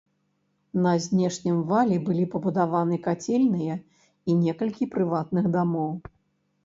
На знешнім вале былі пабудаваныя кацельня і некалькі прыватных дамоў.